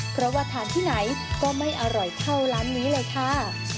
เพราะว่าทานที่ไหนก็ไม่อร่อยเท่าร้านนี้เลยค่ะ